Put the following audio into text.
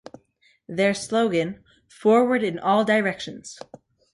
Their slogan, Forward in all directions!